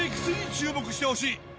注目してほしい。